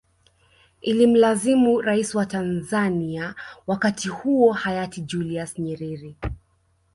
Ilimlazimu rais wa Tanzanzia wakati huo hayati Julius Nyerere